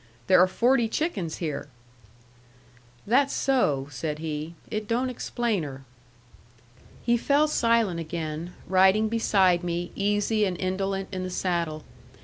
"There are forty chickens here." "That's so," said he. "It don't explain her." He fell silent again, riding beside me, easy and indolent in the saddle.